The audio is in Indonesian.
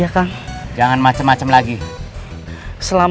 kalau ingin selesaikan